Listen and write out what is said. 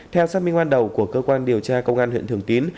theo xác minh ban đầu của cơ quan điều tra công an huyện thường tín